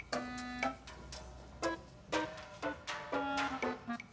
gua jalan di sini alih